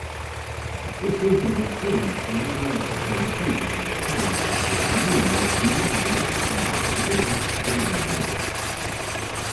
Esta intervención tamén é extensíbel ás fábricas de aluminio primario da Coruña e Avilés.